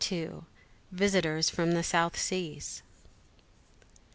VISITORS FROM THE SOUTH SEAS.